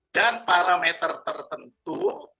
dan parameter tertentu